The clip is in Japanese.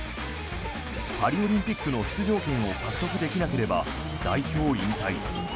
パリオリンピックの出場権を獲得できなければ代表引退。